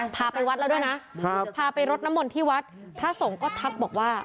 พาไปวัดแล้วด้วยนะพาไปรดน้ำมนต์ที่วัดพระสงฆ์ก็ทักบอกว่า